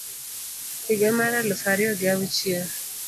higa mar aluf ariyo gi auchiel